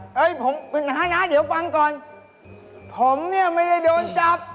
เฮ้ยผมนะเดี๋ยวฟังก่อนผมเนี่ยไม่ได้โดนจับ